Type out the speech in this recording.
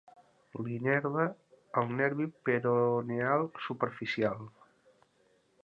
L'innerva el nervi peroneal superficial.